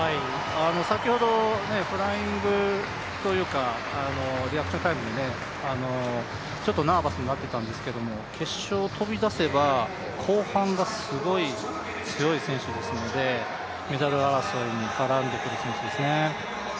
先ほど、フライングというか、リアクションタイムでちょっとナーバスになっていたんですけど、決勝飛び出せば、後半がすごい強い選手ですのでメダル争いに絡んでくる選手ですね。